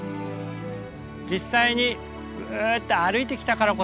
実際にぐっと歩いてきたからこそね